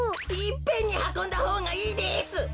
いっぺんにはこんだほうがいいです！